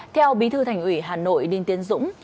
theo bí thư thành ủy hà nội đinh tiến dũng